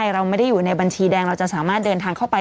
เราไม่ได้อยู่ในบัญชีแดงเราจะสามารถเดินทางเข้าไป